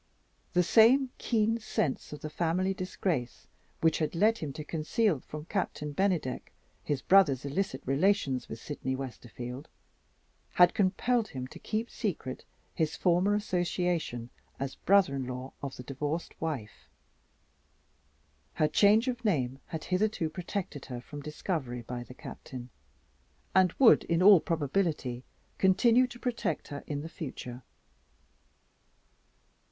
The same keen sense of the family disgrace, which had led him to conceal from Captain Bennydeck his brother's illicit relations with Sydney Westerfield, had compelled him to keep secret his former association, as brother in law, with the divorced wife. Her change of name had hitherto protected her from discovery by the Captain, and would in all probability continue to protect her in the future.